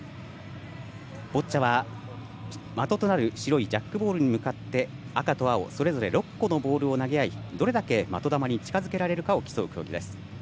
ボッチャは的となる白いジャックボールに向かって赤と青、それぞれ６個のボールを投げ合いどれだけ的球に近づけられるかを競う競技です。